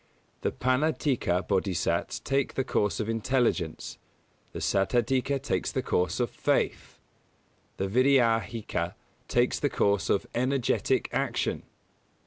The Pannādhika Bōdhisats take the course of Intelligence; the Saddhādhika take the course of Faith; the Viryaāhika take the course of energetic Action.